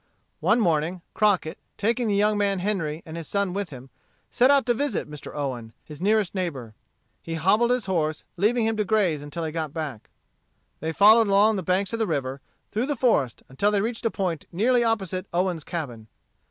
One morning, Crockett, taking the young man Henry and his son with him, set out to visit Mr. Owen, his nearest neighbor. He hobbled his horse, leaving him to graze until he got back. They followed along the banks of the river, through the forest, until they reached a point nearly opposite Owen's cabin.